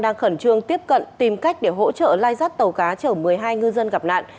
đang khẩn trương tiếp cận tìm cách để hỗ trợ lai rắt tàu cá chở một mươi hai ngư dân gặp nạn